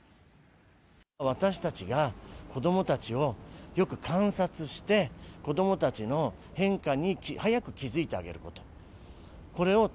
私たちが子どもたちをよく観察して、子どもたちの変化に早く気付いてあげること。